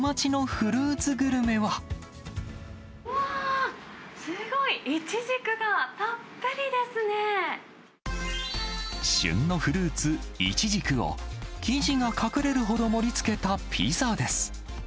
うわー、すごい、旬のフルーツ、イチジクを、生地が隠れるほど盛りつけたピザです。